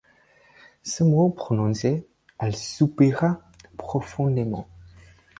Ce mot prononcé, elle soupira profondément.